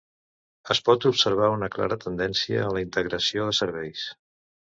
Es pot observar una clara tendència a la integració de serveis.